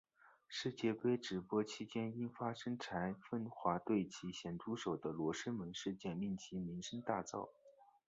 世界杯直播期间因发生蔡枫华对其咸猪手的罗生门事件令其声名大噪。